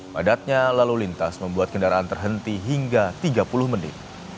padatnya lalu lintas membuat kendaraan terhenti hingga tiga puluh menit